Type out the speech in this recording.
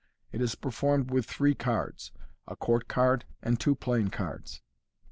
ft is performed with three cards — a court card and two plain cards.